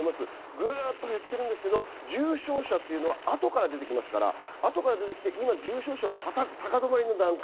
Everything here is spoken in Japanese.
ぐっと減ってるけど重症者というのは後から出てきますから、今、重症者は高止まりの段階。